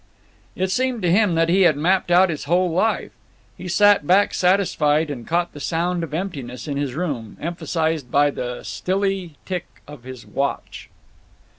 It seemed to him that he had mapped out his whole life. He sat back, satisfied, and caught the sound of emptiness in his room, emphasized by the stilly tick of his watch.